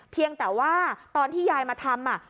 เพียงแต่ว่าตอนที่ยายมาทำ